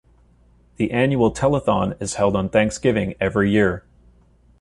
The annual telethon is held on Thanksgiving every year.